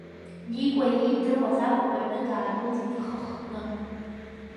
Никәа иидыруаз апап аҩны даадәылҵит, ихы хтны.